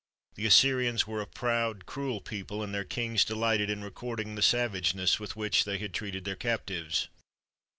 The Assyrians were a proud, cruel people, and their kings delighted in recording the savageness with which they had treated their captives.